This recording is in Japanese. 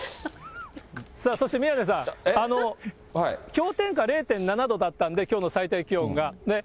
さあ、そして宮根さん、氷点下０．７度だったんで、きょうの最低気温が。